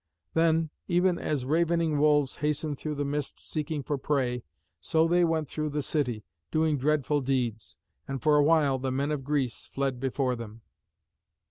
Then, even as ravening wolves hasten through the mist seeking for prey, so they went through the city, doing dreadful deeds. And for a while the men of Greece fled before them.